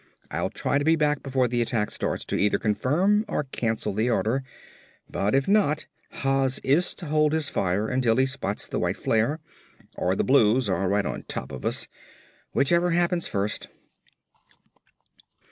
I'll try to be back before the attack starts to either confirm or cancel the order, but, if not, Haas is to hold his fire until he spots the white flare, or the Blues are right on top of us; whichever happens first."